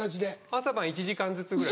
朝晩１時間ずつぐらい。